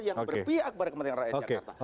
yang berpihak kepada kepentingan rakyat jakarta